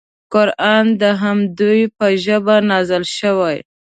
قران د همدوی په ژبه نازل شوی.